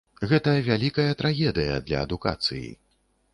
Гэта вялікая трагедыя для адукацыі.